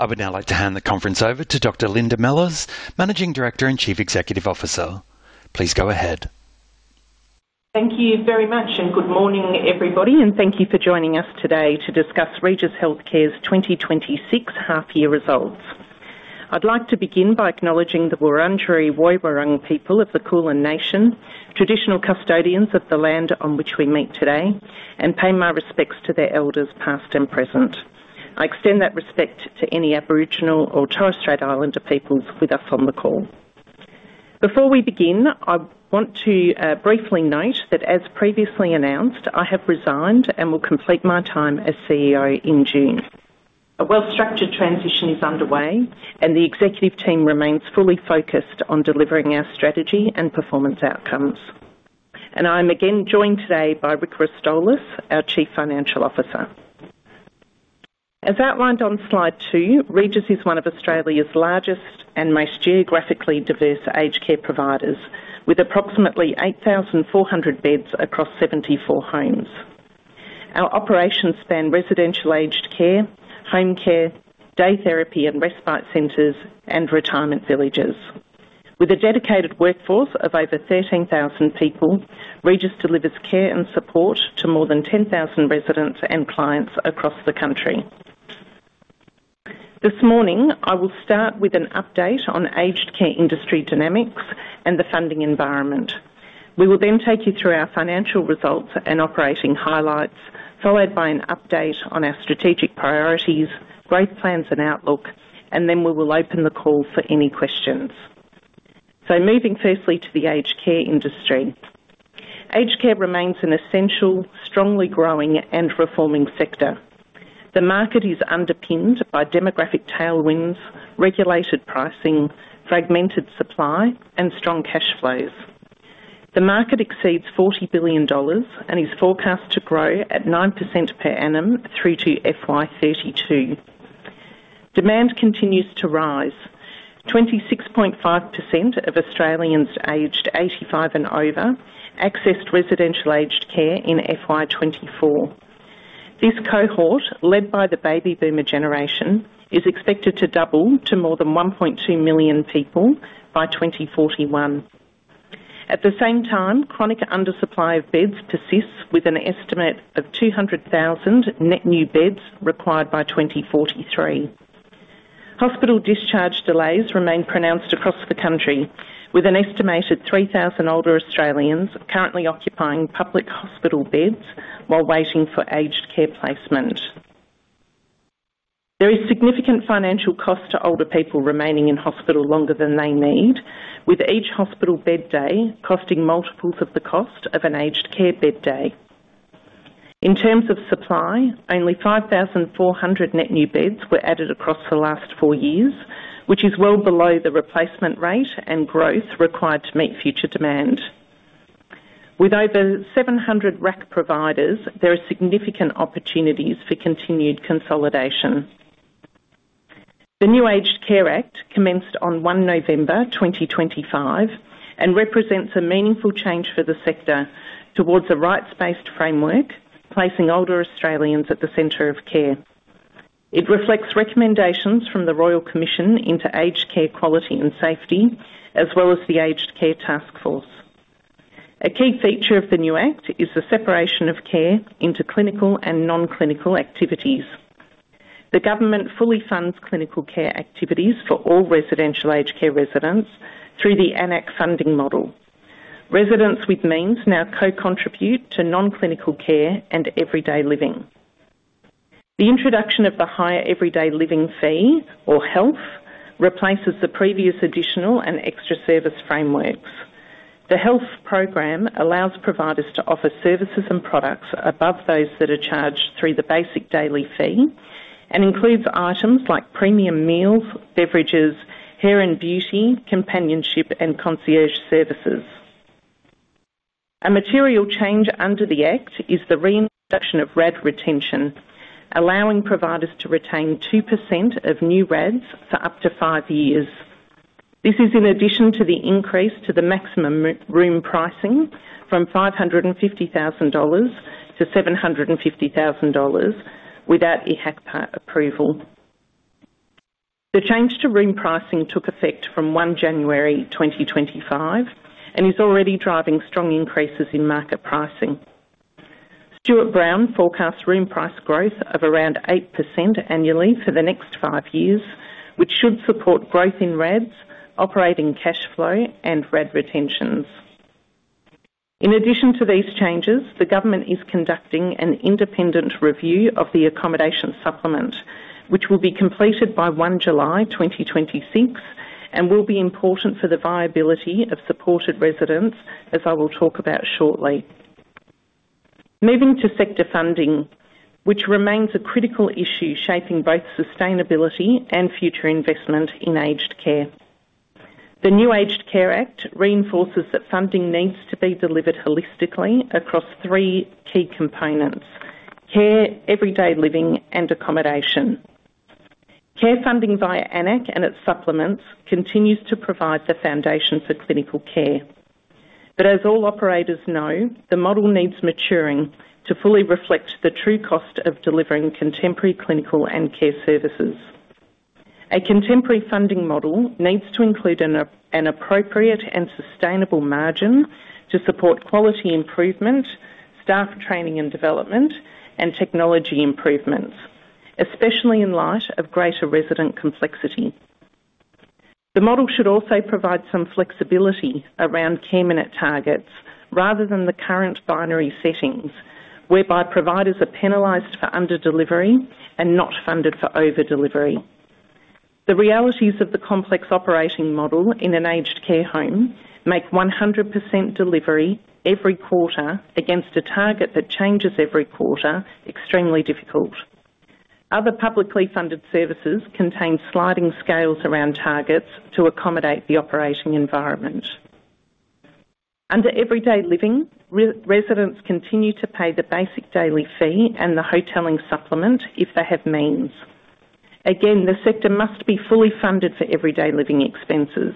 I would now like to hand the conference over to Dr. Linda Mellors, Managing Director and Chief Executive Officer. Please go ahead. Thank you very much, good morning, everybody, thank you for joining us today to discuss Regis Healthcare's 2026 H1 Results. I'd like to begin by acknowledging the Wurundjeri Woi-wurrung people of the Kulin Nation, traditional custodians of the land on which we meet today, pay my respects to their elders, past and present. I extend that respect to any Aboriginal or Torres Strait Islander peoples with us on the call. Before we begin, I want to briefly note that, as previously announced, I have resigned and will complete my time as CEO in June. A well-structured transition is underway, the executive team remains fully focused on delivering our strategy and performance outcomes. I'm again joined today by Rick Rostolis, our Chief Financial Officer. As outlined on slide two, Regis is one of Australia's largest and most geographically diverse aged care providers, with approximately 8,400 beds across 74 homes. Our operations span residential aged care, home care, day therapy and respite centers, and retirement villages. With a dedicated workforce of over 13,000 people, Regis delivers care and support to more than 10,000 residents and clients across the country. This morning, I will start with an update on aged care industry dynamics and the funding environment. We will then take you through our financial results and operating highlights, followed by an update on our strategic priorities, growth plans, and outlook, and then we will open the call for any questions. Moving firstly to the aged care industry. Aged care remains an essential, strongly growing, and reforming sector. The market is underpinned by demographic tailwinds, regulated pricing, fragmented supply, and strong cash flows. The market exceeds AUD 40 billion and is forecast to grow at 9% per annum through to FY 2032. Demand continues to rise. 26.5% of Australians aged 85 and over accessed residential aged care in FY 2024. This cohort, led by the baby boomer generation, is expected to double to more than 1.2 million people by 2041. At the same time, chronic undersupply of beds persists, with an estimate of 200,000 net new beds required by 2043. Hospital discharge delays remain pronounced across the country, with an estimated 3,000 older Australians currently occupying public hospital beds while waiting for aged care placement. There is significant financial cost to older people remaining in hospital longer than they need, with each hospital bed day costing multiples of the cost of an aged care bed day. In terms of supply, only 5,400 net new beds were added across the last four years, which is well below the replacement rate and growth required to meet future demand. With over 700 RAC providers, there are significant opportunities for continued consolidation. The new Aged Care Act commenced on 1 November 2025 and represents a meaningful change for the sector towards a rights-based framework, placing older Australians at the center of care. It reflects recommendations from the Royal Commission into Aged Care Quality and Safety, as well as the Aged Care Taskforce. A key feature of the new act is the separation of care into clinical and non-clinical activities. The government fully funds clinical care activities for all residential aged care residents through the AN-ACC funding model. Residents with means now co-contribute to non-clinical care and everyday living. The introduction of the higher everyday living fee, or HELF, replaces the previous additional and extra service frameworks. The HELF program allows providers to offer services and products above those that are charged through the basic daily fee and includes items like premium meals, beverages, hair and beauty, companionship, and concierge services. A material change under the act is the reintroduction of RAD retention, allowing providers to retain 2% of new RADs for up to five years. This is in addition to the increase to the maximum room pricing from 550,000 dollars to 750,000 dollars without IHACPA approval. The change to room pricing took effect from 1 January 2025 and is already driving strong increases in market pricing. StewartBrown forecasts room price growth of around 8% annually for the next five years, which should support growth in RADs, operating cash flow, and RAD retentions. In addition to these changes, the government is conducting an independent review of the accommodation supplement, which will be completed by 1 July 2026 and will be important for the viability of supported residents, as I will talk about shortly. Moving to sector funding, which remains a critical issue shaping both sustainability and future investment in aged care. The new Aged Care Act reinforces that funding needs to be delivered holistically across three key components: care, everyday living, and accommodation. Care funding via AN-ACC and its supplements continues to provide the foundation for clinical care. As all operators know, the model needs maturing to fully reflect the true cost of delivering contemporary clinical and care services. A contemporary funding model needs to include an appropriate and sustainable margin to support quality improvement, staff training and development, and technology improvements, especially in light of greater resident complexity. The model should also provide some flexibility around care minute targets, rather than the current binary settings, whereby providers are penalized for under-delivery and not funded for over-delivery. The realities of the complex operating model in an aged care home make 100% delivery every quarter against a target that changes every quarter extremely difficult. Other publicly funded services contain sliding scales around targets to accommodate the operating environment. Under Everyday Living, residents continue to pay the basic daily fee and the hoteling supplement if they have means. The sector must be fully funded for everyday living expenses,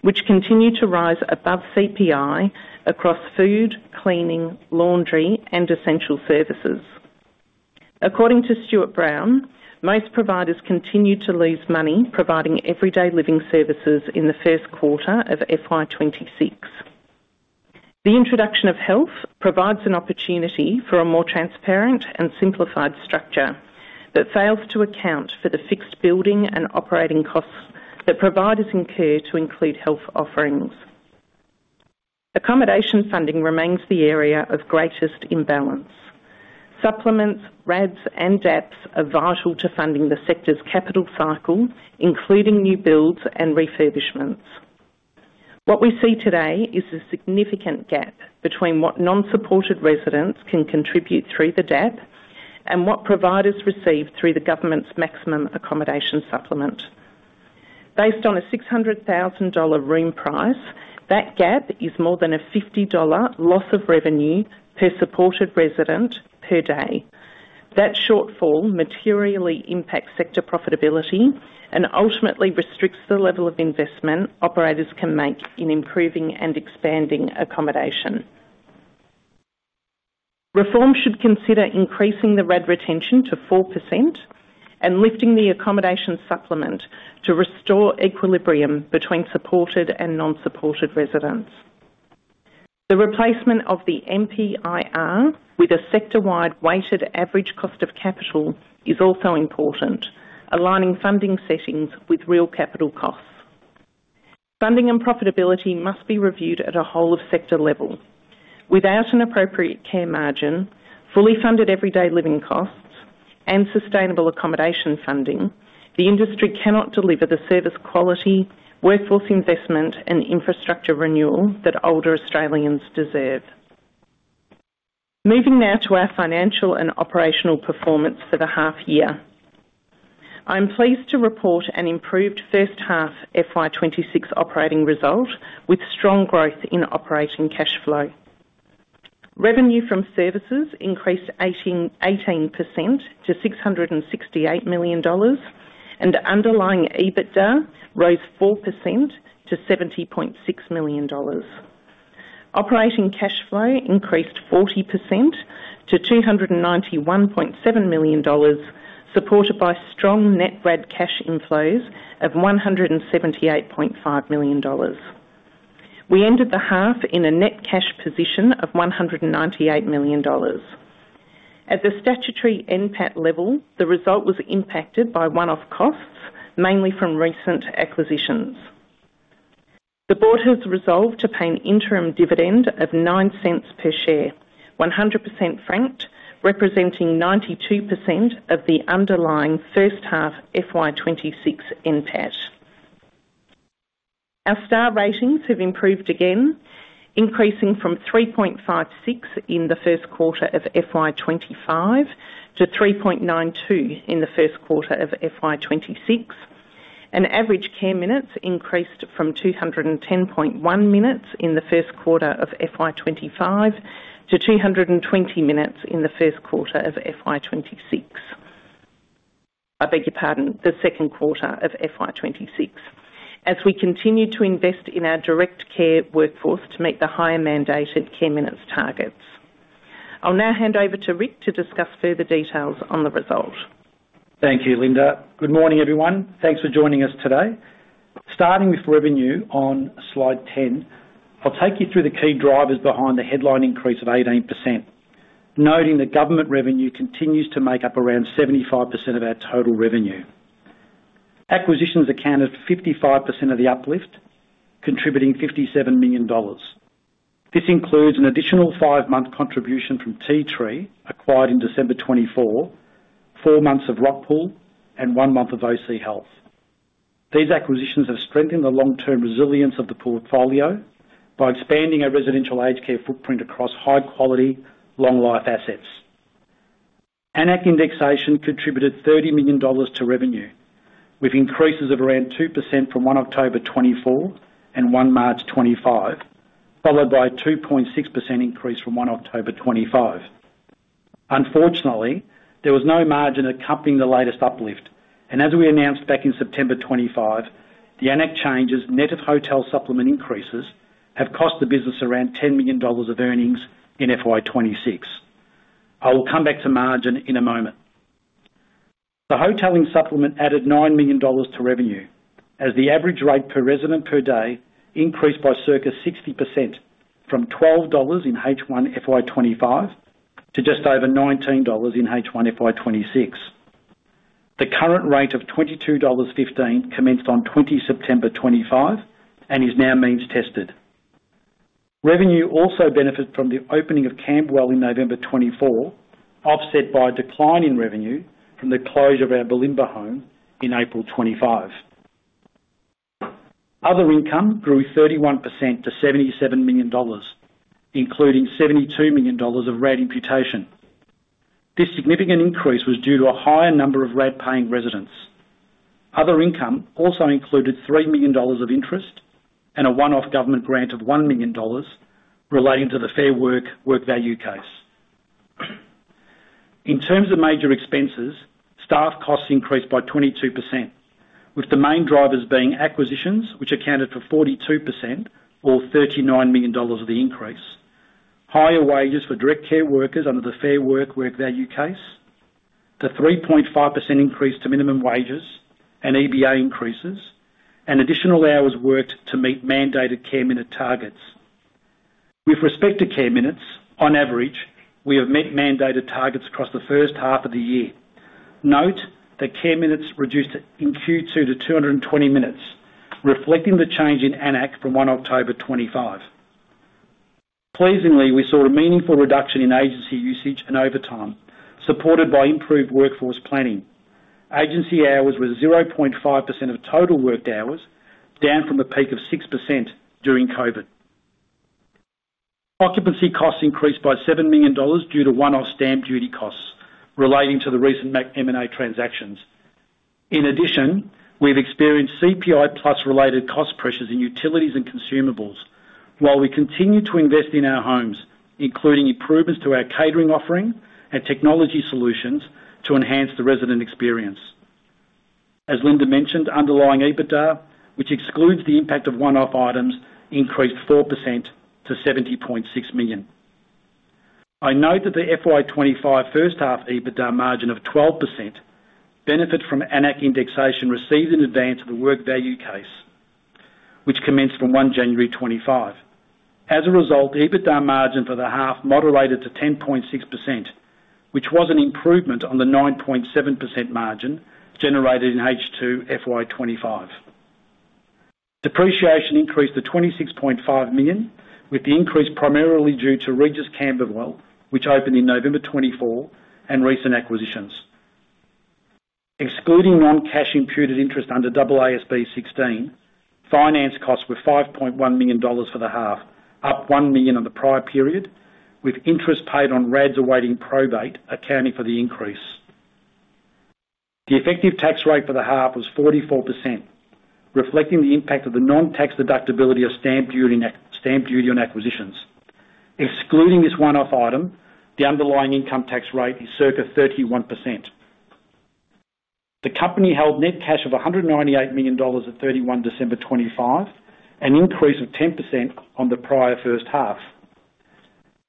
which continue to rise above CPI across food, cleaning, laundry, and essential services. According to StewartBrown, most providers continued to lose money providing everyday living services in the first quarter of FY 2026. The introduction of health provides an opportunity for a more transparent and simplified structure that fails to account for the fixed building and operating costs that providers incur to include health offerings. Accommodation funding remains the area of greatest imbalance. Supplements, RADs, and DAPs are vital to funding the sector's capital cycle, including new builds and refurbishments. What we see today is a significant gap between what nonsupported residents can contribute through the DAP and what providers receive through the government's maximum accommodation supplement. Based on an 600,000 dollar room price, that gap is more than an 50 dollar loss of revenue per supported resident per day. That shortfall materially impacts sector profitability and ultimately restricts the level of investment operators can make in improving and expanding accommodation. Reform should consider increasing the RAD retention to 4% and lifting the accommodation supplement to restore equilibrium between supported and nonsupported residents. The replacement of the MPIR with a sector-wide weighted average cost of capital is also important, aligning funding settings with real capital costs. Funding and profitability must be reviewed at a whole of sector level. Without an appropriate care margin, fully funded everyday living costs, and sustainable accommodation funding, the industry cannot deliver the service quality, workforce investment, and infrastructure renewal that older Australians deserve. Moving now to our financial and operational performance for the half year. I'm pleased to report an improved first half FY 2026 operating result, with strong growth in operating cash flow. Revenue from services increased 18, 18% to 668 million dollars, and underlying EBITDA rose 4% to 70.6 million dollars. Operating cash flow increased 40% to 291.7 million dollars, supported by strong net RAD cash inflows of 178.5 million dollars. We ended the half in a net cash position of 198 million dollars. At the statutory NPAT level, the result was impacted by one-off costs, mainly from recent acquisitions. The board has resolved to pay an interim dividend of 0.09 per share, 100% franked, representing 92% of the underlying first half FY 2026 NPAT. Our star ratings have improved again, increasing from 3.56 in the first quarter of FY 2025 to 3.92 in the first quarter of FY 2026, and average care minutes increased from 210.1 minutes in the first quarter of FY 2025 to 220 minutes in the first quarter of FY 2026. I beg your pardon, the second quarter of FY 2026, as we continue to invest in our direct care workforce to meet the higher mandated care minutes targets. I'll now hand over to Rick to discuss further details on the result. Thank you, Linda. Good morning, everyone. Thanks for joining us today. Starting with revenue on slide 10, I'll take you through the key drivers behind the headline increase of 18%, noting that government revenue continues to make up around 75% of our total revenue. Acquisitions accounted for 55% of the uplift, contributing 57 million dollars. This includes an additional five months contribution from Ti Tree, acquired in December 2024, four months of Rockpool, and one month of OC Health. These acquisitions have strengthened the long-term resilience of the portfolio by expanding our residential aged care footprint across high-quality, long-life assets. AN-ACC indexation contributed 30 million dollars to revenue, with increases of around 2% from 1 October 2024 and 1 March 2025, followed by a 2.6% increase from 1 October 2025. Unfortunately, there was no margin accompanying the latest uplift, and as we announced back in September 2025, the AN-ACC changes, net of hotel supplement increases, have cost the business around 10 million dollars of earnings in FY 2026. I will come back to margin in a moment. The hoteling supplement added 9 million dollars to revenue, as the average rate per resident per day increased by circa 60% from 12 dollars in H1 FY 2025 to just over 19 dollars in H1 FY 2026. The current rate of 22.15 dollars commenced on 20 September 2025 and is now means tested. Revenue also benefited from the opening of Camberwell in November 2024, offset by a decline in revenue from the closure of our Bulimba home in April 2025. Other income grew 31% to 77 million dollars, including 72 million dollars of RAD imputation. This significant increase was due to a higher number of RAD-paying residents. Other income also included 3 million dollars of interest and a one-off government grant of 1 million dollars relating to the Aged Care Work Value Case. In terms of major expenses, staff costs increased by 22%, with the main drivers being acquisitions, which accounted for 42% or 39 million dollars of the increase. Higher wages for direct care workers under the Aged Care Work Value Case, the 3.5 increase to minimum wages and EBA increases, and additional hours worked to meet mandated care minute targets. With respect to care minutes, on average, we have met mandated targets across the first half of the year. Note that care minutes reduced in Q2 to 220 minutes, reflecting the change in AN-ACC from 1 October 2025. Pleasingly, we saw a meaningful reduction in agency usage and overtime, supported by improved workforce planning. Agency hours were 0.5% of total worked hours, down from a peak of 6% during COVID. Occupancy costs increased by 7 million dollars due to one-off stamp duty costs relating to the recent M&A transactions. We've experienced CPI plus related cost pressures in utilities and consumables, while we continue to invest in our homes, including improvements to our catering offering and technology solutions to enhance the resident experience. As Linda mentioned, underlying EBITDA, which excludes the impact of one-off items, increased 4% to 70.6 million. I note that the FY 2025 first half EBITDA margin of 12% benefit from AN-ACC indexation received in advance of the Work Value Case, which commenced from 1 January 2025. As a result, EBITDA margin for the half moderated to 10.6%, which was an improvement on the 9.7% margin generated in H2 FY 2025. Depreciation increased to 26.5 million, with the increase primarily due to Regis Camberwell, which opened in November 2024 and recent acquisitions. Excluding non-cash imputed interest under AASB 16, finance costs were 5.1 million dollars for the half, up 1 million on the prior period, with interest paid on RADs awaiting probate, accounting for the increase. The effective tax rate for the half was 44%, reflecting the impact of the non-tax deductibility of stamp duty and stamp duty on acquisitions. Excluding this one-off item, the underlying income tax rate is circa 31%. The company held net cash of 198 million dollars at 31 December 2025, an increase of 10% on the prior first half.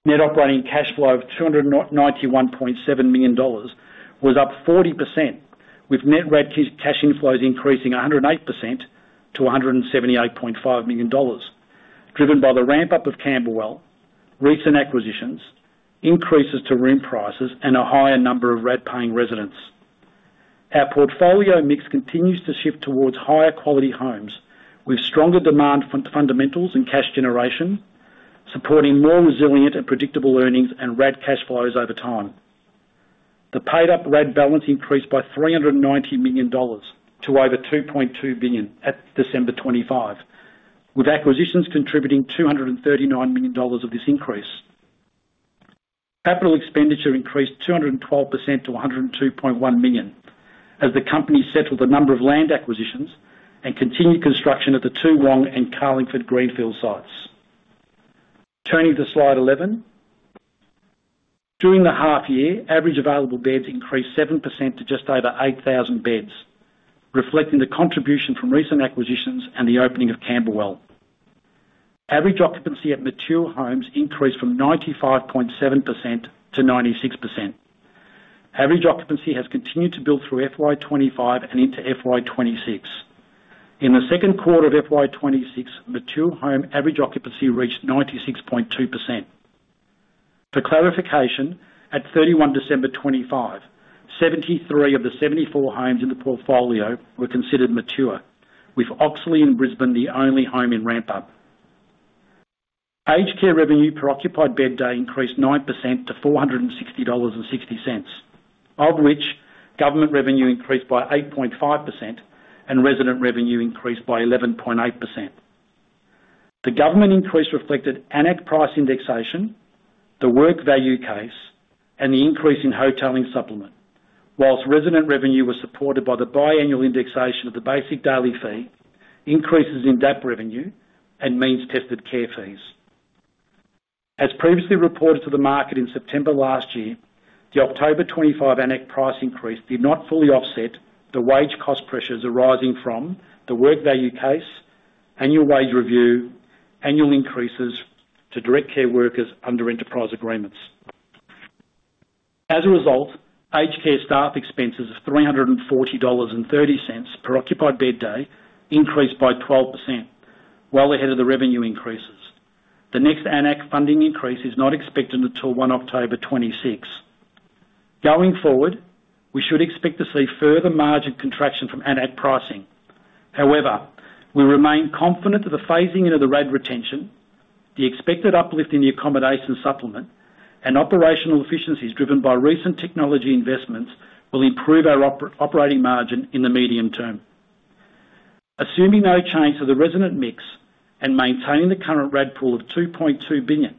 Net operating cash flow of 291.7 million dollars was up 40%, with net RAD cash inflows increasing 108% to 178.5 million dollars, driven by the ramp-up of Camberwell, recent acquisitions, increases to room prices, and a higher number of RAD-paying residents. Our portfolio mix continues to shift towards higher quality homes, with stronger demand fundamentals and cash generation, supporting more resilient and predictable earnings and RAD cash flows over time. The paid-up RAD balance increased by 390 million dollars to over 2.2 billion at December 2025, with acquisitions contributing 239 million dollars of this increase. Capital expenditure increased 212% to 102.1 million, as the company settled a number of land acquisitions and continued construction at the Toowong and Carlingford greenfield sites. Turning to slide 11. During the half year, average available beds increased 7% to just over 8,000 beds, reflecting the contribution from recent acquisitions and the opening of Camberwell. Average occupancy at mature homes increased from 95.7% to 96%. Average occupancy has continued to build through FY 2025 and into FY 2026. In the second quarter of FY 2026, mature home average occupancy reached 96.2%. For clarification, at 31 December 2025, 73 of the 74 homes in the portfolio were considered mature, with Oxley in Brisbane the only home in ramp-up. Aged care revenue per occupied bed day increased 9% to 460.60 dollars, of which government revenue increased by 8.5% and resident revenue increased by 11.8%. The government increase reflected AN-ACC price indexation, the Work Value Case, and the increase in hoteling supplement. Resident revenue was supported by the biannual indexation of the basic daily fee, increases in DAP revenue, and means-tested care fees. As previously reported to the market in September last year, the October 2025 AN-ACC price increase did not fully offset the wage cost pressures arising from the Work Value Case, annual wage review, annual increases to direct care workers under enterprise agreements. As a result, aged care staff expenses of 340.30 dollars per occupied bed day increased by 12%, well ahead of the revenue increases. The next AN-ACC funding increase is not expected until 1 October 2026. Going forward, we should expect to see further margin contraction from AN-ACC pricing. However, we remain confident that the phasing into the RAD retention, the expected uplift in the accommodation supplement, and operational efficiencies driven by recent technology investments will improve our operating margin in the medium term. Assuming no change to the resident mix and maintaining the current RAD pool of 2.2 billion,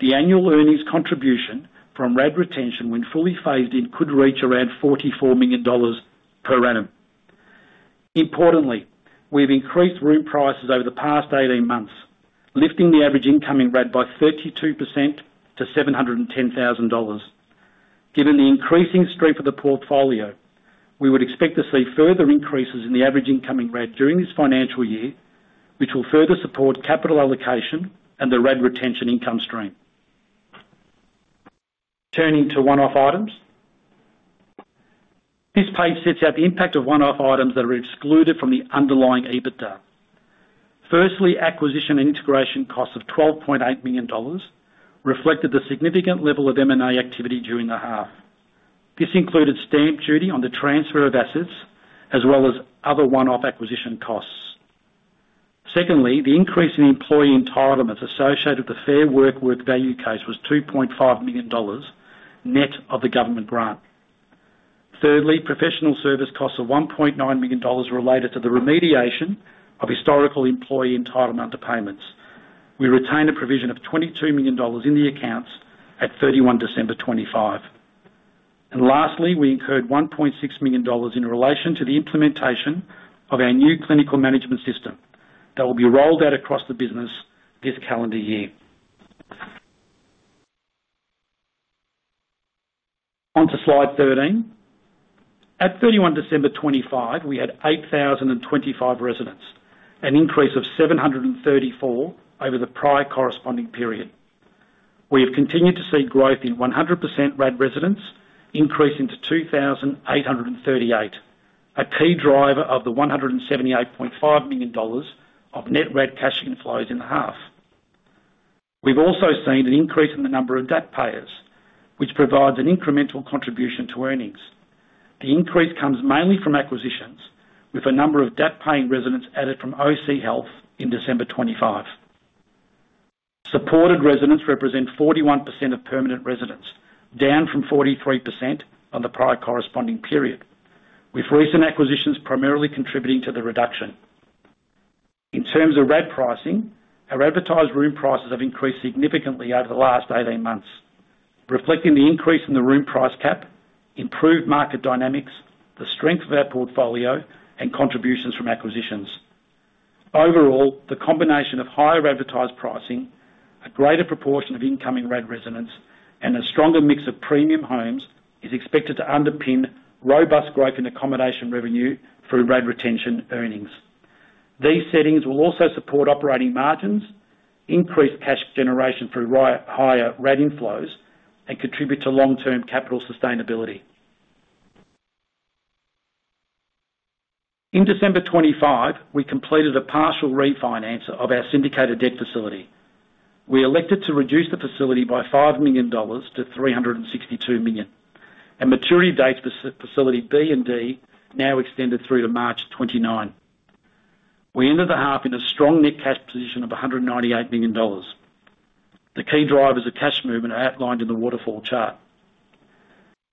the annual earnings contribution from RAD retention, when fully phased in, could reach around 44 million dollars per annum. Importantly, we've increased room prices over the past 18 months, lifting the average incoming RAD by 32% to 710,000 dollars. Given the increasing strength of the portfolio, we would expect to see further increases in the average incoming RAD during this financial year, which will further support capital allocation and the RAD retention income stream. Turning to one-off items. This page sets out the impact of one-off items that are excluded from the underlying EBITDA. Firstly, acquisition and integration costs of AUD 12.8 million reflected the significant level of M&A activity during the half. This included stamp duty on the transfer of assets, as well as other one-off acquisition costs. Secondly, the increase in employee entitlements associated with the Aged Care Work Value Case was 2.5 million dollars, net of the government grant. Thirdly, professional service costs of 1.9 million dollars related to the remediation of historical employee entitlement to payments. We retained a provision of 22 million dollars in the accounts at 31 December 2025. Lastly, we incurred 1.6 million dollars in relation to the implementation of our new clinical management system that will be rolled out across the business this calendar year. On to Slide 13. At 31 December 2025, we had 8,025 residents, an increase of 734 over the prior corresponding period. We have continued to see growth in 100% RAD residents, increasing to 2,838, a key driver of the 178.5 million dollars of net RAD cash inflows in the half. We've also seen an increase in the number of DAP payers, which provides an incremental contribution to earnings. The increase comes mainly from acquisitions, with a number of DAP-paying residents added from OC Health in December 2025. Supported residents represent 41% of permanent residents, down from 43% on the prior corresponding period, with recent acquisitions primarily contributing to the reduction. In terms of RAD pricing, our advertised room prices have increased significantly over the last 18 months, reflecting the increase in the room price cap, improved market dynamics, the strength of our portfolio, and contributions from acquisitions. Overall, the combination of higher advertised pricing, a greater proportion of incoming RAD residents, and a stronger mix of premium homes, is expected to underpin robust growth in accommodation revenue through RAD retention earnings. These settings will also support operating margins, increase cash generation through higher RAD inflows, and contribute to long-term capital sustainability. In December 2025, we completed a partial refinance of our syndicated debt facility. We elected to reduce the facility by 5 million dollars to 362 million, and maturity dates facility B and D now extended through to March 29. We ended the half in a strong net cash position of 198 million dollars. The key drivers of cash movement are outlined in the waterfall chart.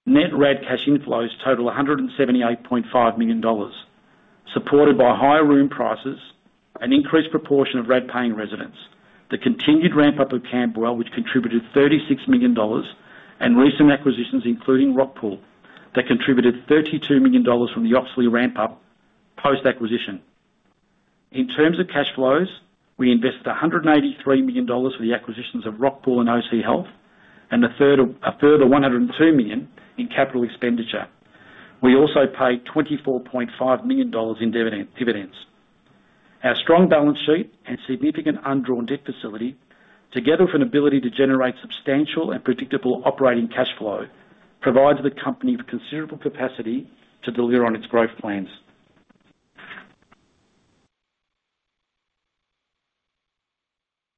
Net RAD cash inflows total 178.5 million dollars, supported by higher room prices, an increased proportion of RAD-paying residents. The continued ramp-up of Camberwell, which contributed 36 million dollars, and recent acquisitions, including Rockpool, that contributed 32 million dollars from the Oxley ramp-up, post-acquisition. In terms of cash flows, we invested 183 million dollars for the acquisitions of Rockpool and OC Health, and a further 102 million in capital expenditure. We also paid 24.5 million dollars in dividends. Our strong balance sheet and significant undrawn debt facility, together with an ability to generate substantial and predictable operating cash flow, provides the company with considerable capacity to deliver on its growth plans.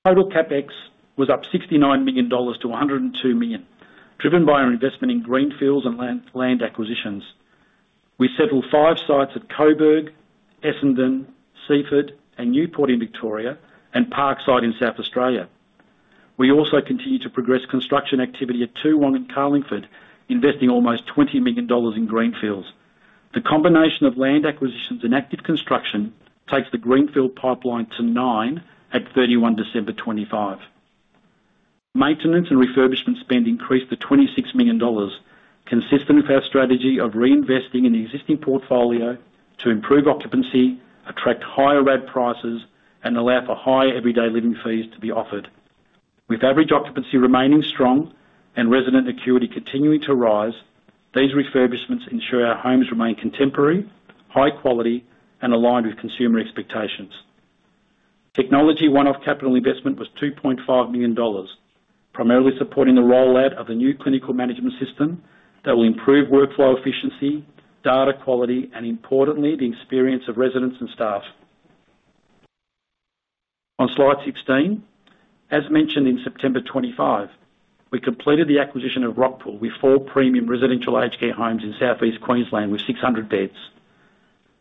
Total CapEx was up 69 million dollars to 102 million, driven by our investment in greenfields and land acquisitions. We settled five sites at Coburg, Essendon, Seaford, and Newport in Victoria, and Parkside in South Australia. We also continued to progress construction activity at Toowong in Carlingford, investing almost 20 million dollars in greenfields. The combination of land acquisitions and active construction takes the greenfield pipeline to 9 at 31 December 2025. Maintenance and refurbishment spend increased to 26 million dollars, consistent with our strategy of reinvesting in the existing portfolio to improve occupancy, attract higher RAD prices, and allow for higher everyday living fees to be offered. With average occupancy remaining strong and resident acuity continuing to rise, these refurbishments ensure our homes remain contemporary, high quality, and aligned with consumer expectations. Technology one-off capital investment was 2.5 million dollars, primarily supporting the rollout of the new clinical management system that will improve workflow efficiency, data quality, and importantly, the experience of residents and staff. On Slide 16, as mentioned, in September 2025, we completed the acquisition of Rockpool, with four premium residential aged care homes in Southeast Queensland, with 600 beds.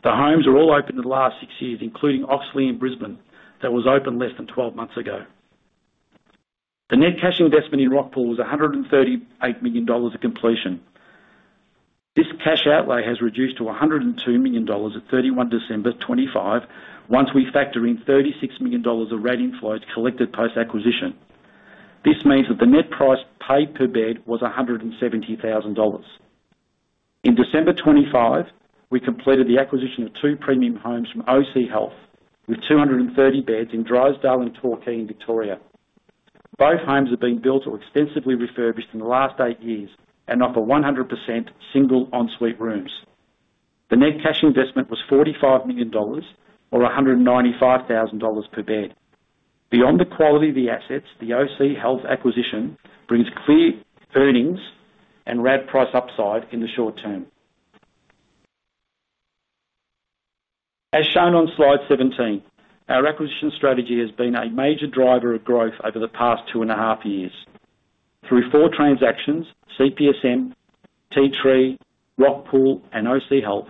The homes are all open in the last six years, including Oxley in Brisbane, that was opened less than 12 months ago. The net cash investment in Rockpool was 138 million dollars at completion. This cash outlay has reduced to 102 million dollars at 31 December 2025, once we factor in 36 million dollars of RAD inflows collected post-acquisition. This means that the net price paid per bed was 170,000 dollars. In December 2025, we completed the acquisition of 2 premium homes from OC Health, with 230 beds in Drysdale and Torquay in Victoria. Both homes have been built or extensively refurbished in the last 8 years and offer 100% single en suite rooms. The net cash investment was 45 million dollars or 195,000 dollars per bed. Beyond the quality of the assets, the OC Health acquisition brings clear earnings and RAD price upside in the short term. As shown on Slide 17, our acquisition strategy has been a major driver of growth over the past 2.5 years. Through four transactions, CPSM, Ti Tree, Rockpool, and OC Health,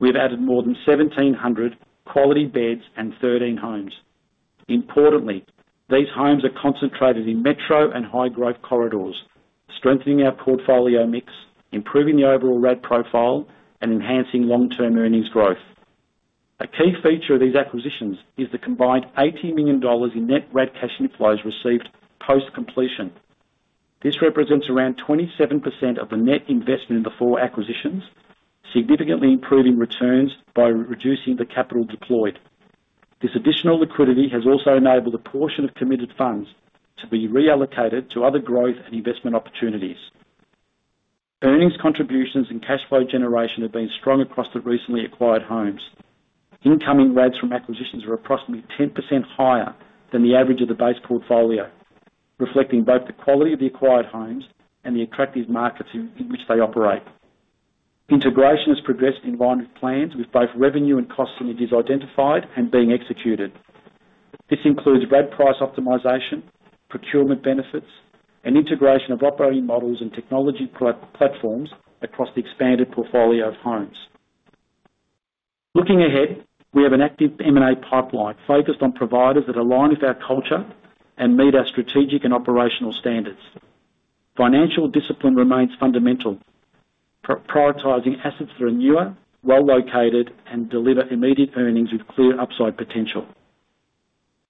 we've added more than 1,700 quality beds and 13 homes. Importantly, these homes are concentrated in metro and high-growth corridors, strengthening our portfolio mix, improving the overall RAD profile, and enhancing long-term earnings growth. A key feature of these acquisitions is the combined 80 million dollars in net RAD cash inflows received post-completion. This represents around 27% of the net investment in the four acquisitions, significantly improving returns by reducing the capital deployed. This additional liquidity has also enabled a portion of committed funds to be reallocated to other growth and investment opportunities. Earnings, contributions, and cash flow generation have been strong across the recently acquired homes. Incoming RADs from acquisitions are approximately 10% higher than the average of the base portfolio, reflecting both the quality of the acquired homes and the attractive markets in which they operate. Integration has progressed in line with plans, with both revenue and cost synergies identified and being executed. This includes RAD price optimization, procurement benefits, and integration of operating models and technology platforms across the expanded portfolio of homes. Looking ahead, we have an active M&A pipeline focused on providers that align with our culture and meet our strategic and operational standards. Financial discipline remains fundamental, prioritizing assets that are newer, well-located, and deliver immediate earnings with clear upside potential.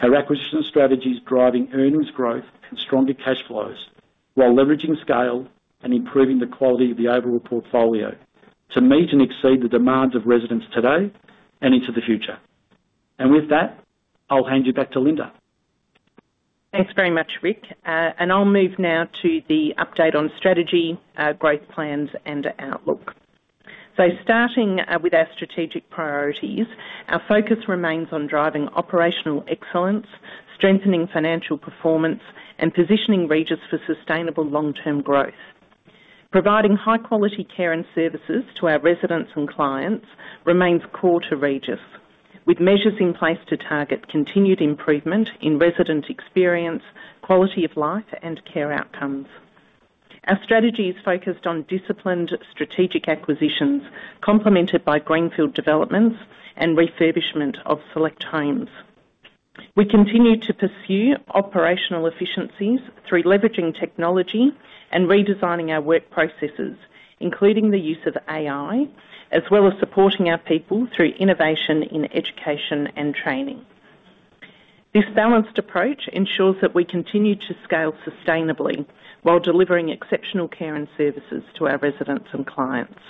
Our acquisition strategy is driving earnings growth and stronger cash flows while leveraging scale and improving the quality of the overall portfolio to meet and exceed the demands of residents today and into the future. With that, I'll hand you back to Linda. Thanks very much, Rick. I'll move now to the update on strategy, growth plans, and outlook. Starting with our strategic priorities, our focus remains on driving operational excellence, strengthening financial performance, and positioning Regis for sustainable long-term growth. Providing high-quality care and services to our residents and clients remains core to Regis, with measures in place to target continued improvement in resident experience, quality of life, and care outcomes. Our strategy is focused on disciplined strategic acquisitions, complemented by greenfield developments and refurbishment of select homes. We continue to pursue operational efficiencies through leveraging technology and redesigning our work processes, including the use of AI, as well as supporting our people through innovation in education and training. This balanced approach ensures that we continue to scale sustainably while delivering exceptional care and services to our residents and clients.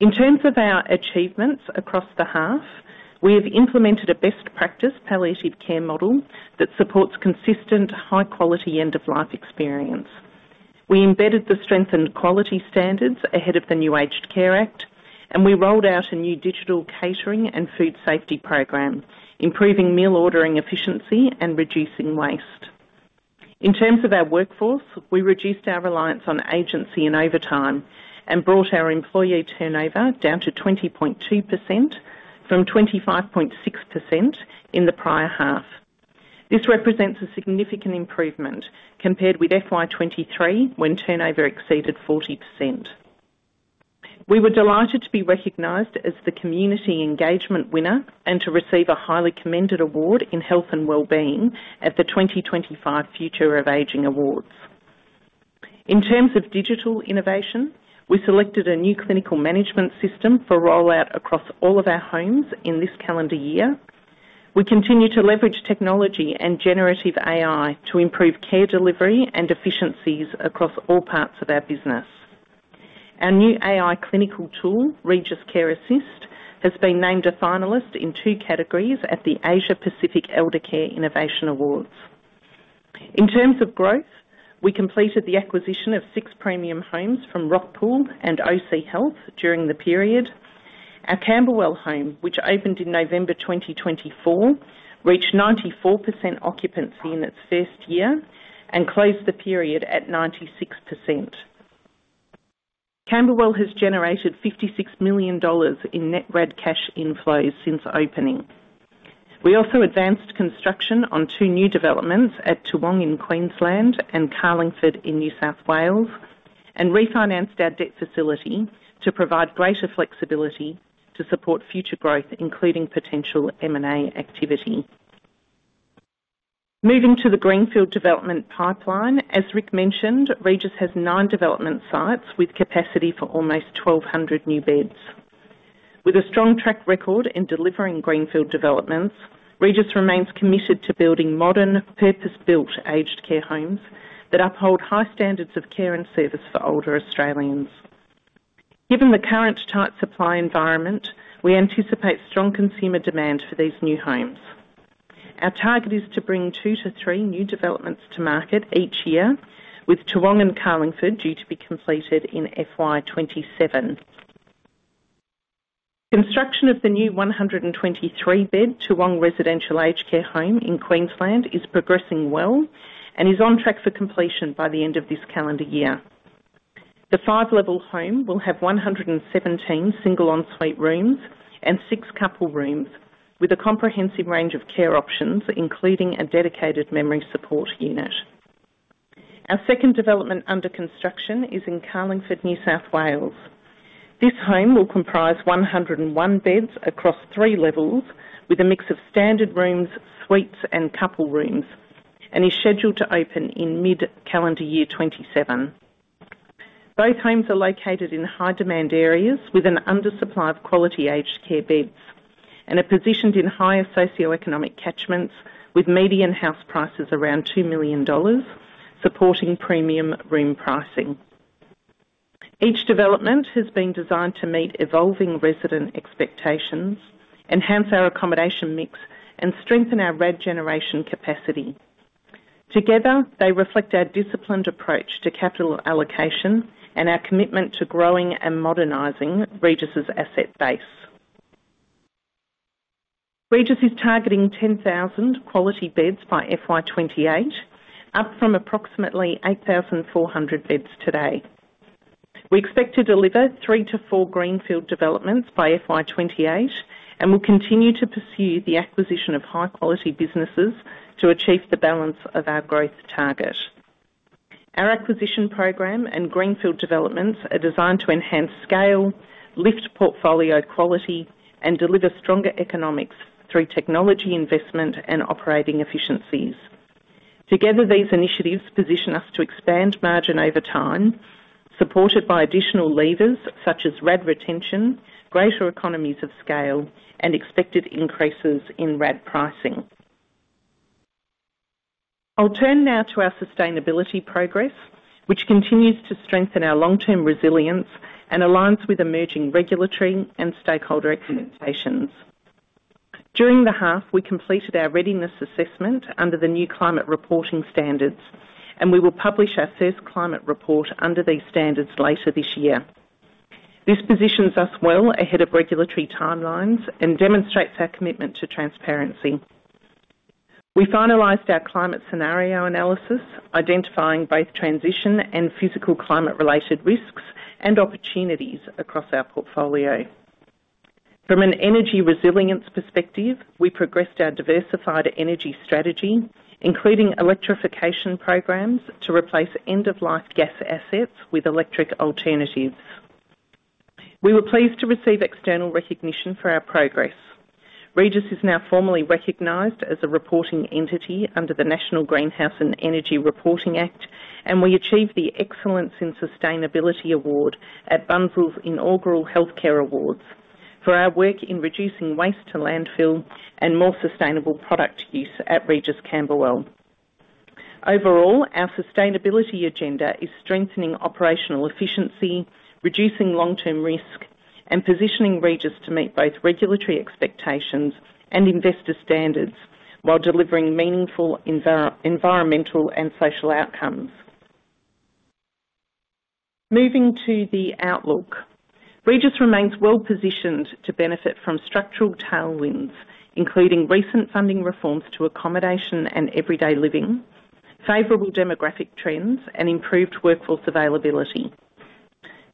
In terms of our achievements across the half, we have implemented a best practice palliative care model that supports consistent, high-quality end-of-life experience. We embedded the strengthened quality standards ahead of the New Aged Care Act, and we rolled out a new digital catering and food safety program, improving meal ordering efficiency and reducing waste. In terms of our workforce, we reduced our reliance on agency and overtime, and brought our employee turnover down to 20.2% from 25.6% in the prior half. This represents a significant improvement compared with FY23, when turnover exceeded 40%. We were delighted to be recognized as the Community Engagement winner and to receive a highly commended award in Health and Wellbeing at the 2025 Future of Ageing Awards. In terms of digital innovation, we selected a new clinical management system for rollout across all of our homes in this calendar year. We continue to leverage technology and generative AI to improve care delivery and efficiencies across all parts of our business. Our new AI clinical tool, Regis Care Assist, has been named a finalist in two categories at the Asia Pacific Eldercare Innovation Awards. In terms of growth, we completed the acquisition of six premium homes from Rockpool and OC Health during the period. Our Camberwell home, which opened in November 2024, reached 94% occupancy in its first year and closed the period at 96%. Camberwell has generated 56 million dollars in net RAD cash inflows since opening. We also advanced construction on two new developments at Toowong in Queensland and Carlingford in New South Wales, refinanced our debt facility to provide greater flexibility to support future growth, including potential M&A activity. Moving to the greenfield development pipeline, as Rick mentioned, Regis has nine development sites with capacity for almost 1,200 new beds. With a strong track record in delivering greenfield developments, Regis remains committed to building modern, purpose-built aged care homes that uphold high standards of care and service for older Australians. Given the current tight supply environment, we anticipate strong consumer demand for these new homes. Our target is to bring two to three new developments to market each year, with Toowong and Carlingford due to be completed in FY 2027. Construction of the new 123-bed Toowong residential aged care home in Queensland is progressing well and is on track for completion by the end of this calendar year. The 5-level home will have 117 single ensuite rooms and six couple rooms, with a comprehensive range of care options, including a dedicated memory support unit. Our second development under construction is in Carlingford, New South Wales. This home will comprise 101 beds across three levels, with a mix of standard rooms, suites, and couple rooms, and is scheduled to open in mid-calendar year 2027. Both homes are located in high-demand areas with an undersupply of quality aged care beds and are positioned in higher socioeconomic catchments, with median house prices around 2 million dollars, supporting premium room pricing. Each development has been designed to meet evolving resident expectations, enhance our accommodation mix, and strengthen our RAD generation capacity. Together, they reflect our disciplined approach to capital allocation and our commitment to growing and modernizing Regis' asset base. Regis is targeting 10,000 quality beds by FY 2028, up from approximately 8,400 beds today. We expect to deliver three to four greenfield developments by FY 2028, and we'll continue to pursue the acquisition of high-quality businesses to achieve the balance of our growth target. Our acquisition program and greenfield developments are designed to enhance scale, lift portfolio quality, and deliver stronger economics through technology investment and operating efficiencies. Together, these initiatives position us to expand margin over time, supported by additional levers such as RAD retention, greater economies of scale, and expected increases in RAD pricing. I'll turn now to our sustainability progress, which continues to strengthen our long-term resilience and aligns with emerging regulatory and stakeholder expectations. During the half, we completed our readiness assessment under the new climate reporting standards, and we will publish our first climate report under these standards later this year. This positions us well ahead of regulatory timelines and demonstrates our commitment to transparency. We finalized our climate scenario analysis, identifying both transition and physical climate-related risks and opportunities across our portfolio. From an energy resilience perspective, we progressed our diversified energy strategy, including electrification programs, to replace end-of-life gas assets with electric alternatives. We were pleased to receive external recognition for our progress. Regis is now formally recognized as a reporting entity under the National Greenhouse and Energy Reporting Act, and we achieved the Excellence in Sustainability Award at Bunzl's inaugural Healthcare Awards for our work in reducing waste to landfill and more sustainable product use at Regis Camberwell. Overall, our sustainability agenda is strengthening operational efficiency, reducing long-term risk, and positioning Regis to meet both regulatory expectations and investor standards, while delivering meaningful environmental and social outcomes. Moving to the outlook. Regis remains well positioned to benefit from structural tailwinds, including recent funding reforms to accommodation and everyday living, favorable demographic trends, and improved workforce availability.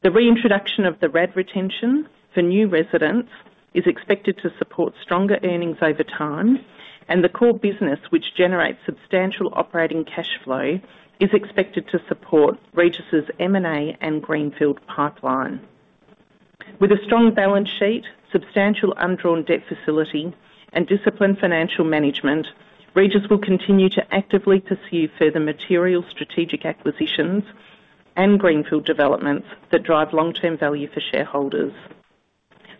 The reintroduction of the RAD retention for new residents is expected to support stronger earnings over time, and the core business, which generates substantial operating cash flow, is expected to support Regis' M&A and greenfield pipeline. With a strong balance sheet, substantial undrawn debt facility, and disciplined financial management, Regis will continue to actively pursue further material strategic acquisitions and greenfield developments that drive long-term value for shareholders.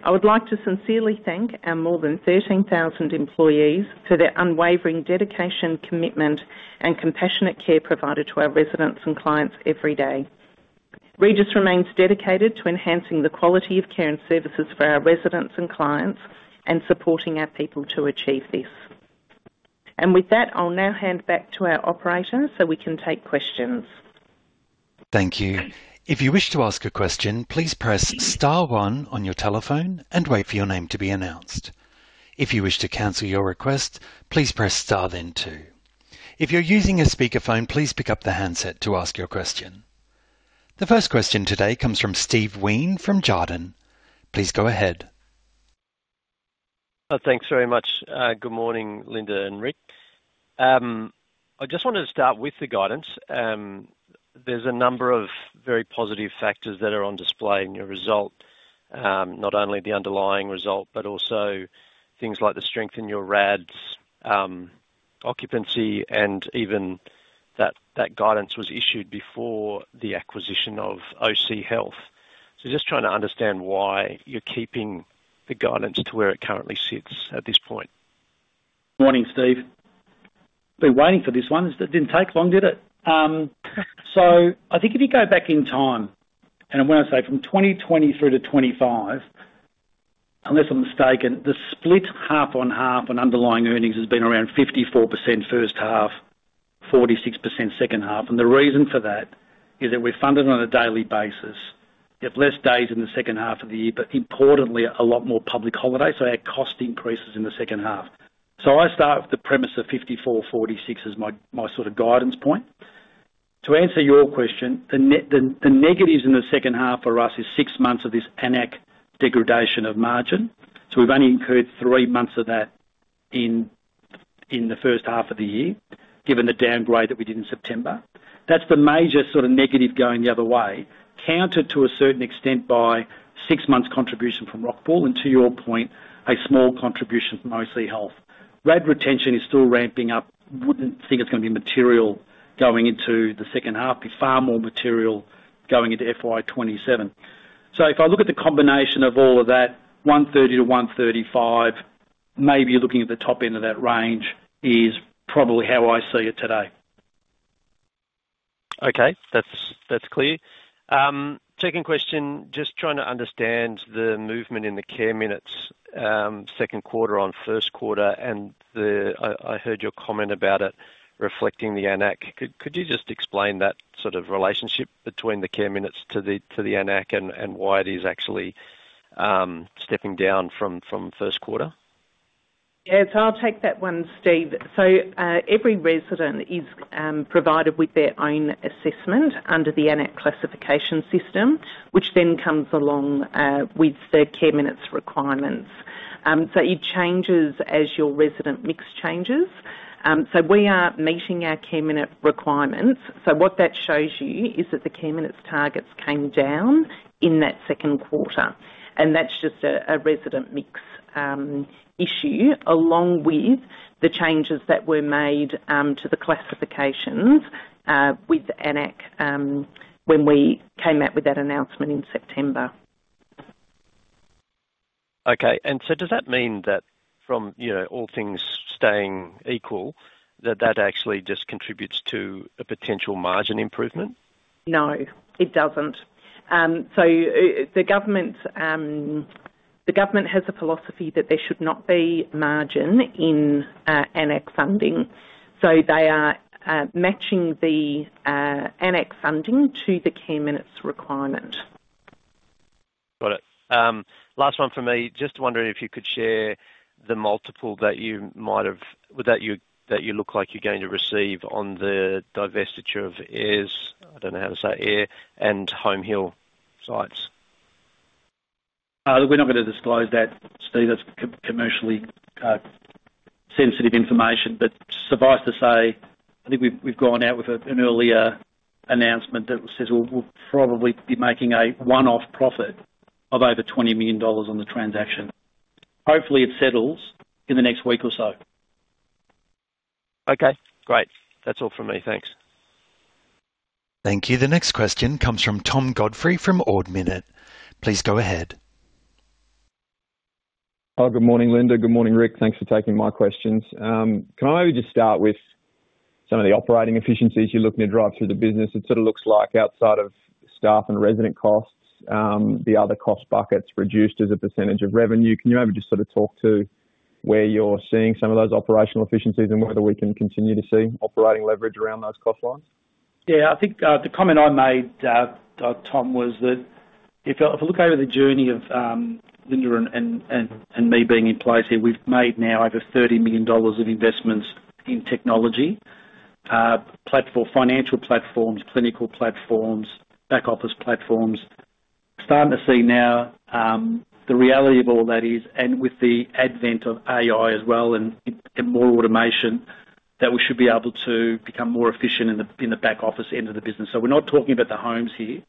I would like to sincerely thank our more than 13,000 employees for their unwavering dedication, commitment, and compassionate care provided to our residents and clients every day. Regis remains dedicated to enhancing the quality of care and services for our residents and clients and supporting our people to achieve this. With that, I'll now hand back to our operator so we can take questions. Thank you. If you wish to ask a question, please press star one on your telephone and wait for your name to be announced. If you wish to cancel your request, please press star, then two. If you're using a speakerphone, please pick up the handset to ask your question. The first question today comes from Steve Wheen from Jarden. Please go ahead. Thanks very much. Good morning, Linda and Rick. I just wanted to start with the guidance. There's a number of very positive factors that are on display in your result, not only the underlying result, but also things like the strength in your RADs, occupancy, and even that, that guidance was issued before the acquisition of OC Health. Just trying to understand why you're keeping the guidance to where it currently sits at this point. Morning, Steve. Been waiting for this one. It didn't take long, did it? I think if you go back in time, when I say from 2020 through to 2025, unless I'm mistaken, the split half on half on underlying earnings has been around 54% first half, 46% second half. The reason for that is that we're funded on a daily basis. You have less days in the second half of the year, but importantly, a lot more public holidays, so our cost increases in the second half. I start with the premise of 54, 46 as my, my sort of guidance point. To answer your question, the negatives in the second half for us is 6 months of this AN-ACC degradation of margin. We've only incurred three months of that in the first half of the year, given the downgrade that we did in September. That's the major sort of negative going the other way, countered to a certain extent by six months contribution from Rockpool, and to your point, a small contribution from OC Health. RAD retention is still ramping up. Wouldn't think it's gonna be material going into the second half, be far more material going into FY 2027. If I look at the combination of all of that, 130-135, maybe looking at the top end of that range is probably how I see it today. Okay, that's, that's clear. Second question, just trying to understand the movement in the care minutes, second quarter on first quarter. I, I heard your comment about it reflecting the AN-ACC. Could, could you just explain that sort of relationship between the care minutes to the, to the AN-ACC and, and why it is actually, stepping down from, from first quarter? Yes, I'll take that one, Steve. Every resident is provided with their own assessment under the AN-ACC classification system, which then comes along with their care minutes requirements. It changes as your resident mix changes. We are meeting our care minute requirements. What that shows you is that the care minutes targets came down in that second quarter, and that's just a resident mix issue, along with the changes that were made to the classifications with AN-ACC when we came out with that announcement in September. Okay. So does that mean that from, you know, all things staying equal, that that actually just contributes to a potential margin improvement? No, it doesn't. The government, the government has a philosophy that there should not be margin in AN-ACC funding. They are matching the AN-ACC funding to the care minutes requirement. Got it. Last one for me. Just wondering if you could share the multiple that you look like you're going to receive on the divestiture of Ayr, I don't know how to say it, Ayr and Home Hill sites. We're not gonna disclose that, Steve. That's commercially sensitive information. Suffice to say, I think we've, we've gone out with an earlier announcement that says we'll, we'll probably be making a one-off profit of over 20 million dollars on the transaction. Hopefully, it settles in the next week or so. Okay, great. That's all from me. Thanks. Thank you. The next question comes from Tom Godfrey from Ord Minnett. Please go ahead. Oh, good morning, Linda. Good morning, Rick. Thanks for taking my questions. Can I maybe just start with some of the operating efficiencies you're looking to drive through the business? It sort of looks like outside of staff and resident costs, the other cost buckets reduced as a percentage of revenue. Can you maybe just sort of talk to where you're seeing some of those operational efficiencies and whether we can continue to see operating leverage around those cost lines? Yeah, I think, the comment I made, Tom, was that if I look over the journey of, Linda and, and, and, and me being in place here, we've made now over 30 million dollars of investments in technology, platform, financial platforms, clinical platforms, back office platforms. Starting to see now, the reality of all that is and with the advent of AI as well and more automation, that we should be able to become more efficient in the back office end of the business. We're not talking about the homes here,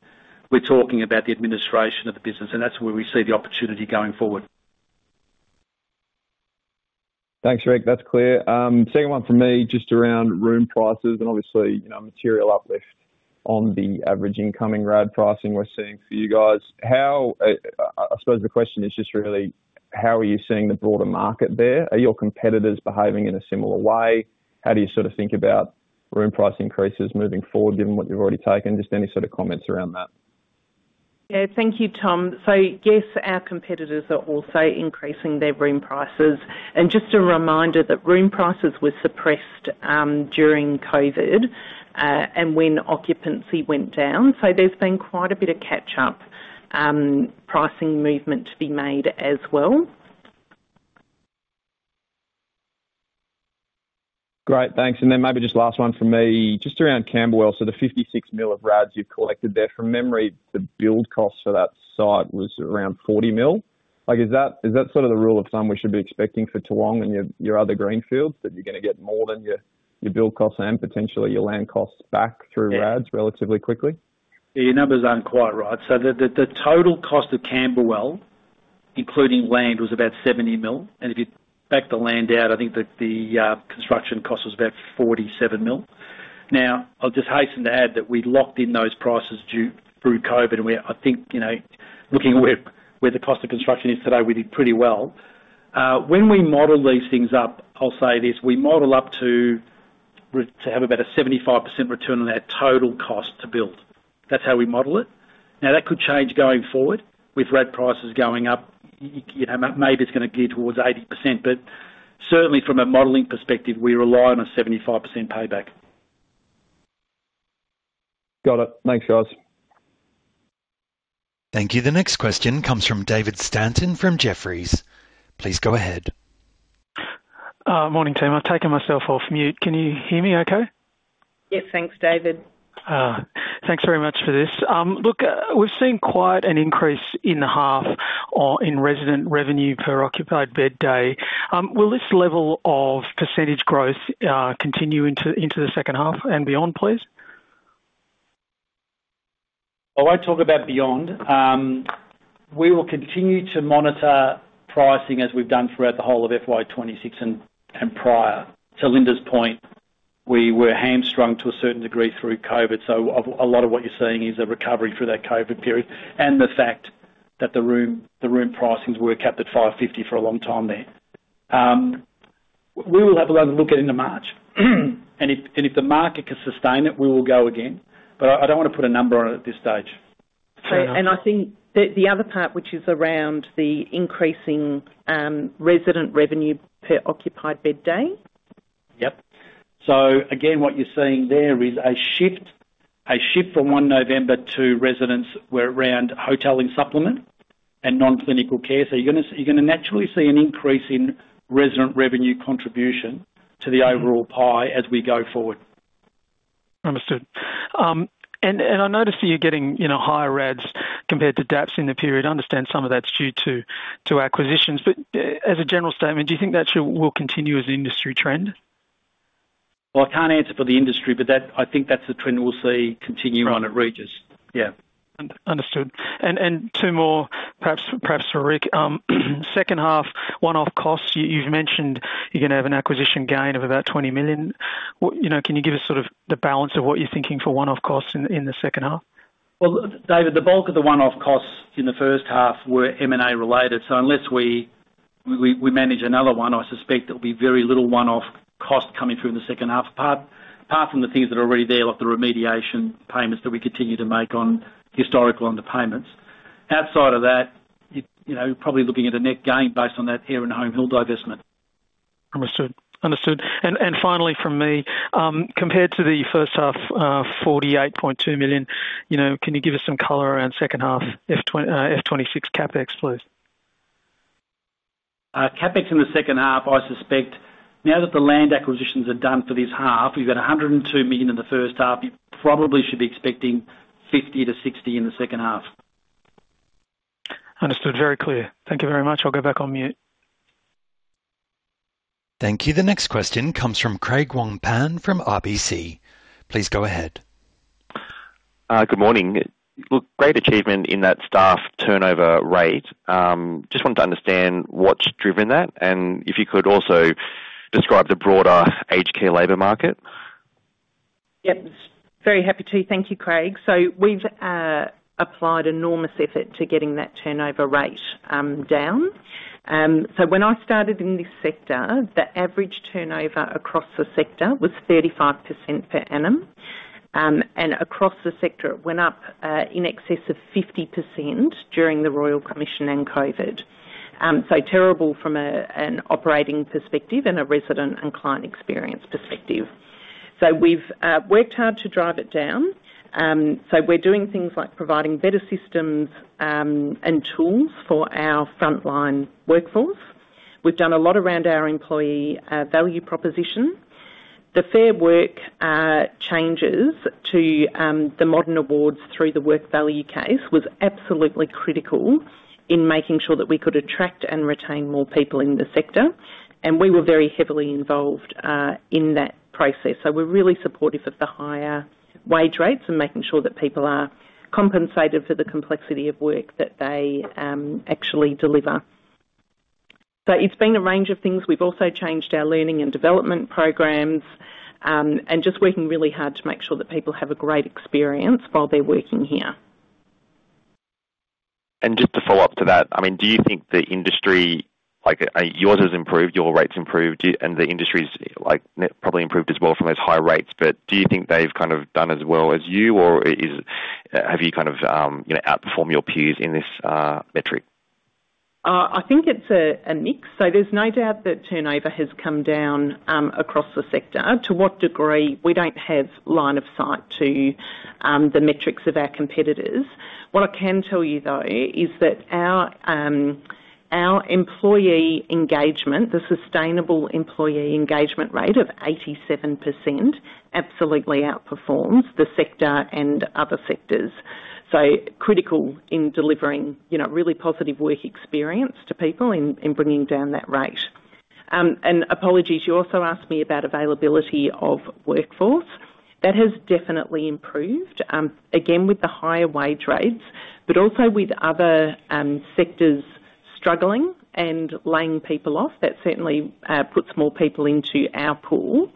we're talking about the administration of the business, and that's where we see the opportunity going forward. Thanks, Rick. That's clear. Second one for me, just around room prices and obviously, you know, material uplift on the average incoming RAD pricing we're seeing for you guys. How are you seeing the broader market there? Are your competitors behaving in a similar way? How do you sort of think about room price increases moving forward, given what you've already taken? Just any sort of comments around that? Yeah, thank you, Tom. Yes, our competitors are also increasing their room prices. Just a reminder that room prices were suppressed, during COVID, and when occupancy went down, so there's been quite a bit of catch-up, pricing movement to be made as well. Great, thanks. Then maybe just last one from me, just around Camberwell. The 56 million of RADs you've collected there, from memory, the build cost for that site was around 40 million. Like, is that, is that sort of the rule of thumb we should be expecting for Toong and your, your other greenfields, that you're gonna get more than your, your build costs and potentially your land costs back through RADs relatively quickly? Yeah, your numbers aren't quite right. The total cost of Camberwell, including land, was about 70 million, and if you back the land out, I think that the construction cost was about 47 million. Now, I'll just hasten to add that we locked in those prices due through COVID, and I think, you know, looking at where the cost of construction is today, we did pretty well. When we model these things up, I'll say this, we model up to have about a 75% return on our total cost to build. That's how we model it. Now, that could change going forward with RAD prices going up. You know, maybe it's gonna gear towards 80%, but certainly from a modeling perspective, we rely on a 75% payback. Got it. Thanks, guys. Thank you. The next question comes from David Stanton from Jefferies. Please go ahead. Morning, team. I've taken myself off mute. Can you hear me okay? Yes. Thanks, David. Thanks very much for this. Look, we've seen quite an increase in the half, in resident revenue per occupied bed day. Will this level of percentage growth continue into the second half and beyond, please? I won't talk about beyond. We will continue to monitor pricing as we've done throughout the whole of FY 2026 and prior. To Linda's point, we were hamstrung to a certain degree through COVID, so a lot of what you're seeing is a recovery through that COVID period, and the fact that the room pricings were capped at 550 for a long time there. We will have another look at it into March, and if the market can sustain it, we will go again, but I don't wanna put a number on it at this stage. I think the, the other part, which is around the increasing resident revenue per occupied bed day? Yep. Again, what you're seeing there is a shift, a shift from November 1 to residents where around hotel and supplement and non-clinical care. You're gonna naturally see an increase in resident revenue contribution to the overall pie as we go forward. Understood. I noticed that you're getting, you know, higher RADs compared to DAPs in the period. I understand some of that's due to acquisitions, as a general statement, do you think that will continue as an industry trend? Well, I can't answer for the industry, but that, I think that's the trend we'll see continuing. Right. On at Regis. Yeah. Understood. Two more, perhaps, perhaps for Rick. Second half one-off costs you've mentioned you're gonna have an acquisition gain of about 20 million. You know, can you give us sort of the balance of what you're thinking for one-off costs in, in the second half? Well, David, the bulk of the one-off costs in the first half were M&A related, so unless we manage another one, I suspect there'll be very little one-off cost coming through in the second half, apart, apart from the things that are already there, like the remediation payments that we continue to make on historical underpayments. Outside of that, you know, you're probably looking at a net gain based on that Ayr and Home Hill divestment. Understood. Understood. Finally from me, compared to the first half, 48.2 million, you know, can you give us some color around second half FY 2026 CapEx, please? CapEx in the second half, I suspect now that the land acquisitions are done for this half, we've got 102 million in the first half. You probably should be expecting 50 million to 60 million in the second half. Understood. Very clear. Thank you very much. I'll go back on mute. Thank you. The next question comes from Craig Wong-Pan from RBC. Please go ahead. Good morning. Look, great achievement in that staff turnover rate. Just wanted to understand what's driven that, and if you could also describe the broader aged care labor market? Yep. Very happy to. Thank you, Craig. We've applied enormous effort to getting that turnover rate down. When I started in this sector, the average turnover across the sector was 35% per annum. Across the sector, it went up in excess of 50% during the Royal Commission and COVID. Terrible from an operating perspective and a resident and client experience perspective. We've worked hard to drive it down. We're doing things like providing better systems and tools for our frontline workforce. We've done a lot around our employee value proposition. The Fair Work changes to the modern awards through the work value case was absolutely critical in making sure that we could attract and retain more people in the sector, and we were very heavily involved in that process. We're really supportive of the higher wage rates and making sure that people are compensated for the complexity of work that they actually deliver. It's been a range of things. We've also changed our learning and development programs, and just working really hard to make sure that people have a great experience while they're working here. Just to follow up to that, I mean, do you think the industry, like, yours has improved, your rates improved, and the industry's, like, probably improved as well from those high rates, but do you think they've kind of done as well as you, or is, have you kind of, you know, outperformed your peers in this metric? I think it's a mix. There's no doubt that turnover has come down across the sector. To what degree? We don't have line of sight to the metrics of our competitors. What I can tell you, though, is that our employee engagement, the sustainable employee engagement rate of 87% absolutely outperforms the sector and other sectors, so critical in delivering, you know, a really positive work experience to people in bringing down that rate. Apologies, you also asked me about availability of workforce. That has definitely improved again, with the higher wage rates, but also with other sectors struggling and laying people off. That certainly puts more people into our pool.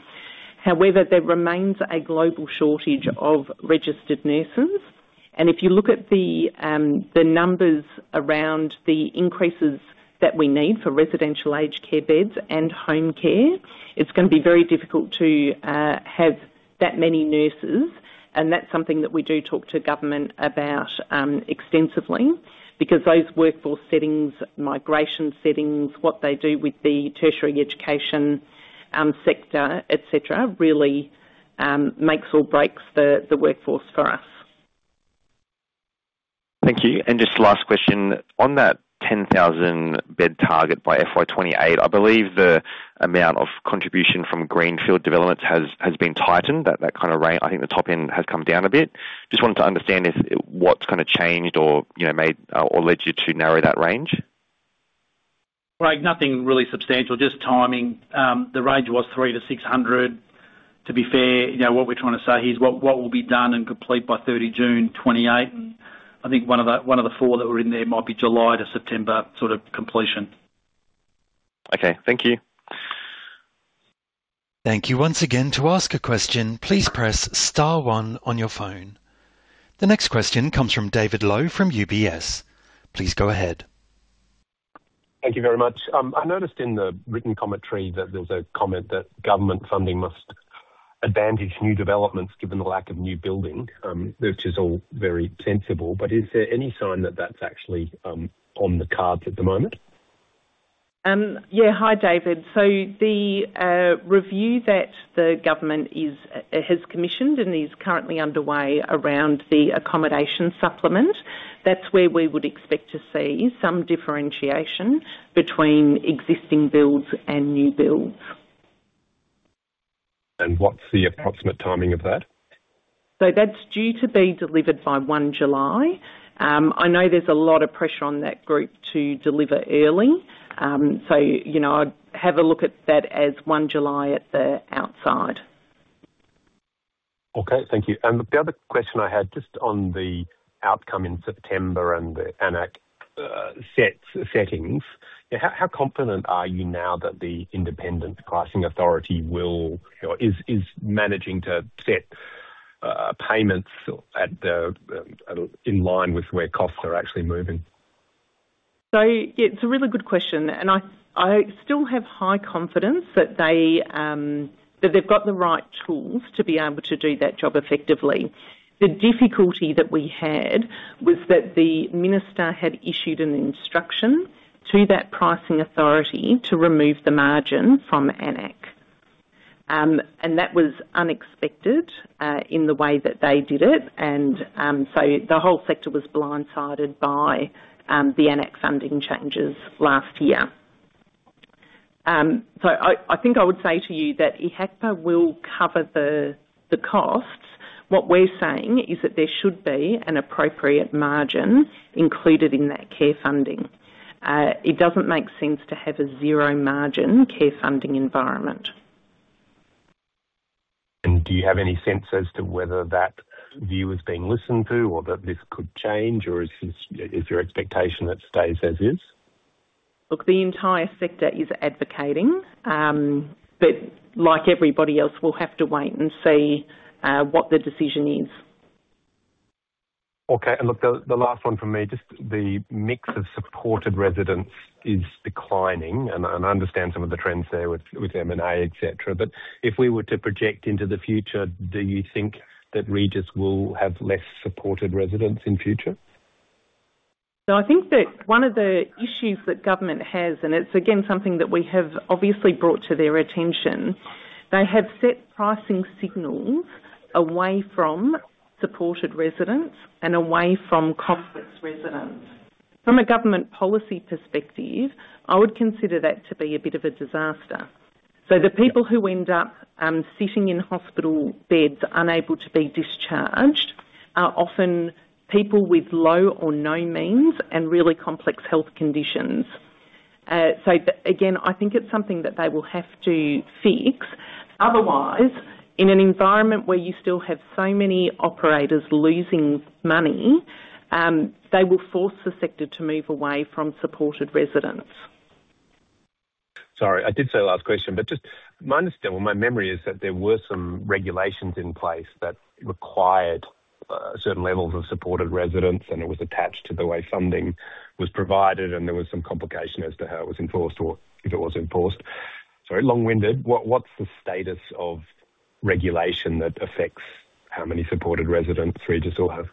However, there remains a global shortage of registered nurses, and if you look at the, the numbers around the increases that we need for residential aged care beds and home care, it's gonna be very difficult to have that many nurses. That's something that we do talk to government about, extensively, because those workforce settings, migration settings, what they do with the tertiary education, sector, et cetera, really, makes or breaks the, the workforce for us. Thank you. Just last question. On that 10,000 bed target by FY 2028, I believe the amount of contribution from greenfield developments has been tightened, I think the top end has come down a bit. Just wanted to understand if what's kind of changed or, you know, made or led you to narrow that range? Greg, nothing really substantial, just timing. The range was three to 600. To be fair, you know, what we're trying to say here is what, what will be done and complete by 30 June2028. I think one of the, one of the four that were in there might be July to September sort of completion. Okay. Thank you. Thank you once again. To ask a question, please press star one on your phone. The next question comes from David Lowe from UBS. Please go ahead. Thank you very much. I noticed in the written commentary that there's a comment that government funding must advantage new developments given the lack of new building, which is all very sensible, but is there any sign that that's actually on the cards at the moment? Yeah. Hi, David. The review that the government is has commissioned and is currently underway around the accommodation supplement, that's where we would expect to see some differentiation between existing builds and new builds. What's the approximate timing of that? That's due to be delivered by 1 July. I know there's a lot of pressure on that group to deliver early. You know, I'd have a look at that as 1 July at the outside. Okay. Thank you. The other question I had, just on the outcome in September and the AN-ACC settings, how confident are you now that the Independent Pricing Authority will or is managing to set payments in line with where costs are actually moving? It's a really good question, and I, I still have high confidence that they, that they've got the right tools to be able to do that job effectively. The difficulty that we had was that the minister had issued an instruction to that pricing authority to remove the margin from AN-ACC, and that was unexpected in the way that they did it. The whole sector was blindsided by the AN-ACC funding changes last year. I think I would say to you that IHACPA will cover the, the costs. What we're saying is that there should be an appropriate margin included in that care funding. It doesn't make sense to have a zero-margin care funding environment. Do you have any sense as to whether that view is being listened to or that this could change, or is this, is your expectation that it stays as is? Look, the entire sector is advocating, but like everybody else, we'll have to wait and see, what the decision is. Okay. Look, the, the last one from me, just the mix of supported residents is declining, and I understand some of the trends there with, with M&A, et cetera, but if we were to project into the future, do you think that Regis will have less supported residents in future? I think that one of the issues that government has, and it's again, something that we have obviously brought to their attention, they have set pricing signals away from supported residents and away from complex residents. From a government policy perspective, I would consider that to be a bit of a disaster. The people who end up sitting in hospital beds, unable to be discharged, are often people with low or no means and really complex health conditions. Again, I think it's something that they will have to fix. Otherwise, in an environment where you still have so many operators losing money, they will force the sector to move away from supported residents. Sorry, I did say last question, but just my understanding or my memory is that there were some regulations in place that required certain levels of supported residents, and it was attached to the way funding was provided, and there was some complication as to how it was enforced or if it was enforced. Sorry, long-winded. What, what's the status of regulation that affects how many supported residents Regis will have?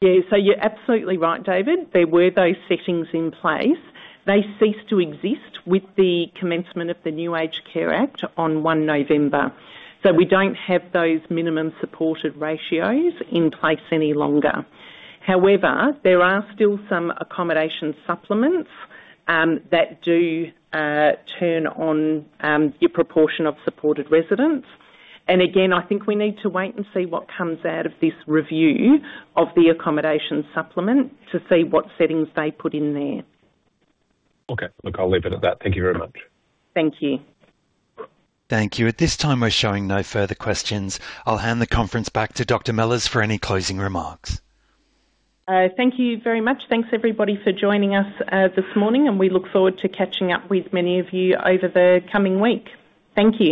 Yeah. You're absolutely right, David. There were those settings in place. They ceased to exist with the commencement of the New Aged Care Act on 1 November. We don't have those minimum supported ratios in place any longer. However, there are still some accommodation supplements that do turn on your proportion of supported residents. Again, I think we need to wait and see what comes out of this review of the accommodation supplement to see what settings they put in there. Okay. Look, I'll leave it at that. Thank you very much. Thank you. Thank you. At this time, we're showing no further questions. I'll hand the conference back to Dr. Mellors for any closing remarks. Thank you very much. Thanks, everybody, for joining us this morning. We look forward to catching up with many of you over the coming week. Thank you.